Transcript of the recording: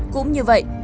cũng như vậy